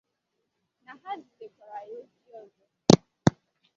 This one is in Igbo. na ha zitèkwaara ya ozi ọzọ